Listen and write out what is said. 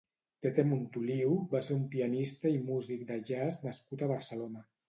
Tete Montoliu va ser un pianista i músic de jazz nascut a Barcelona.